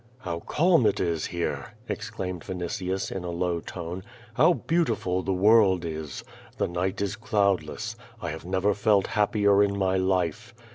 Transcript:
"How calm it is here," exclaimed Vinitius in a low tone. "How beautiful the world is. The night is cloudless. I have never felt happier in my life.